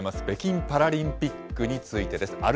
北京パラリンピックについてです。